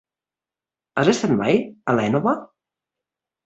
Has estat mai a l'Énova?